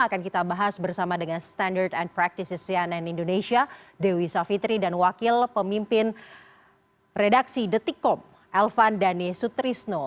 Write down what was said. akan kita bahas bersama dengan standard and practices cnn indonesia dewi savitri dan wakil pemimpin redaksi detikkom elvan dhani sutrisno